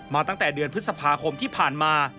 ตั้งแต่เดือนพฤษภาคมที่ผ่านมา